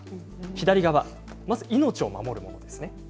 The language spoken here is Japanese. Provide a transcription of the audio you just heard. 左側は命を守るものですね。